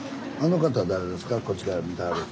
こっちから見てはる。